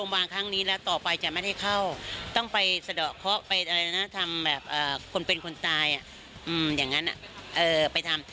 เพราะเขาไปทำคนเป็นคนตายอย่างนั้นน่ะ